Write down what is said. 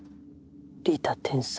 リタ天才。